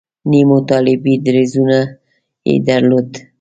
نیمو طالبي دریځونه یې درلودل.